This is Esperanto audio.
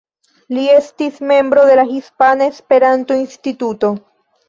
Li estis membro de la Hispana Esperanto-Instituto.